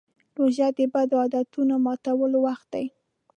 روژه د بدو عادتونو ماتولو وخت دی.